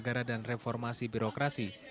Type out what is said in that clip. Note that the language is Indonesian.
negara dan reformasi birokrasi